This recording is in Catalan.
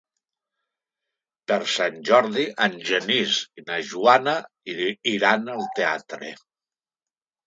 Per Sant Jordi en Genís i na Joana iran al teatre.